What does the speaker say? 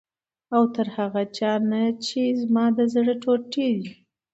او هر هغه چا نه چې زما د زړه ټوټې دي،